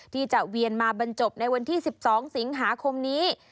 ที่จะเวียนมาบรรจบในวันที่๑๒สิงหาคมนี้